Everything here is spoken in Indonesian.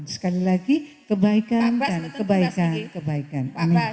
sekali lagi kebaikan dan kebaikan